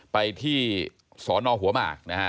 ไปที่สอนอหัวหมากนะฮะ